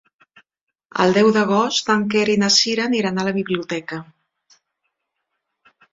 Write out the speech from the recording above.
El deu d'agost en Quer i na Cira aniran a la biblioteca.